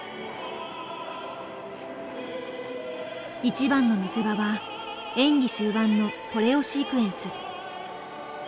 一番の見せ場は演技終盤のコレオシークエンス。